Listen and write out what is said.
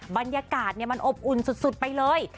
บรรยากาศมันอบอุ่นสุดไปเลย